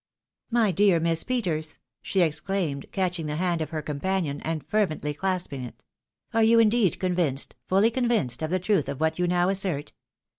" My dear Miss Peters !" she exclaimed, catching the hand of her companion, and fervently clasping it, " are you indeed convinced, fully convinced, of the truth of what you now assert